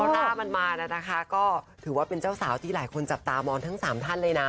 ถ้ามันมานะคะก็ถือว่าเป็นเจ้าสาวที่หลายคนจับตามองทั้ง๓ท่านเลยนะ